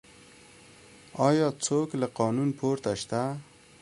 آیا څوک له قانون پورته شته؟